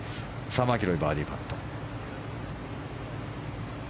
マキロイ、バーディーパット。